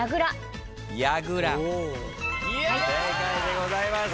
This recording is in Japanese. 正解でございます。